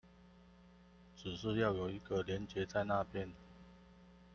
只是要有一個連結在那邊